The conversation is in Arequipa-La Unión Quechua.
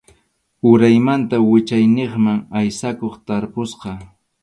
Uraymanta wichayniqman aysakuq tarpusqa.